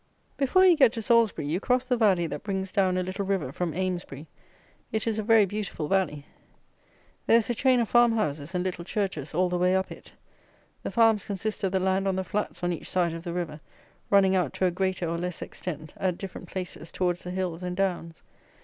Before you get to Salisbury, you cross the valley that brings down a little river from Amesbury. It is a very beautiful valley. There is a chain of farmhouses and little churches all the way up it. The farms consist of the land on the flats on each side of the river, running out to a greater or less extent, at different places, towards the hills and downs.